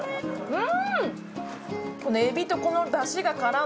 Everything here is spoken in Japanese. うん！